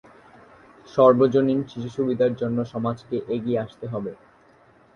সর্বজনীন শিশু সুবিধার জন্য সমাজকে এগিয়ে আসতে হবে।